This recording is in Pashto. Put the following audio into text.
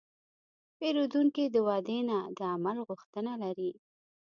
پیرودونکی د وعدې نه، د عمل غوښتنه لري.